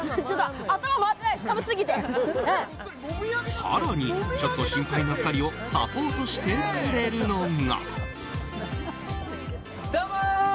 更にちょっと心配な２人をサポートしてくれるのが。